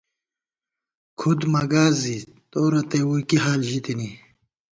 کھُد مہ گاس زی تو رتئ ووئی کی حال ژِتِنی